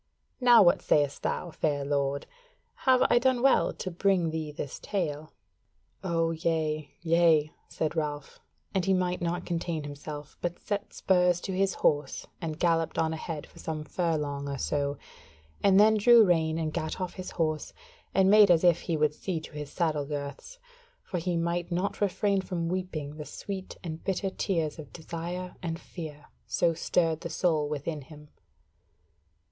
Now what sayest thou, fair lord? Have I done well to bring thee this tale?" "O yea, yea," said Ralph, and he might not contain himself; but set spurs to his horse and galloped on ahead for some furlong or so: and then drew rein and gat off his horse, and made as if he would see to his saddle girths, for he might not refrain from weeping the sweet and bitter tears of desire and fear, so stirred the soul within him.